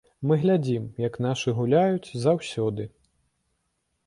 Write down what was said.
Мы глядзім, як нашы гуляюць, заўсёды.